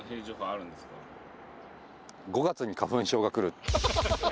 ５月に花粉症が来る。